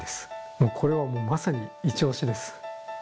これはもうまさにイチオシです。